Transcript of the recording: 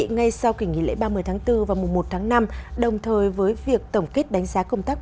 ngay sau kỳ nghỉ lễ ba mươi tháng bốn và mùa một tháng năm đồng thời với việc tổng kết đánh giá công tác